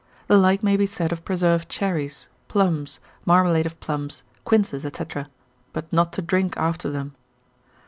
The like may be said of preserved cherries, plums, marmalade of plums, quinces, &c., but not to drink after them.